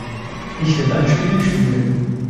Ich will ein Spiel spielen.